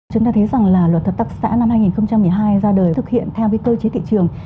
chúng ta thấy rằng là luật hợp tác xã năm hai nghìn một mươi hai ra đời thực hiện theo cái cơ chế thị trường